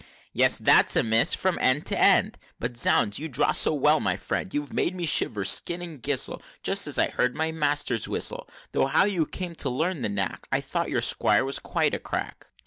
"Yes! that's a miss from end to end! But, zounds! you draw so well, my friend, You've made me shiver, skin and gristle, As if I heard my master's whistle! Though how you came to learn the knack I thought your Squire was quite a crack!"